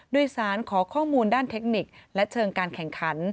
โดยสารขอข้อมูลด้านเทคนิคและเชิงการแข่งขัน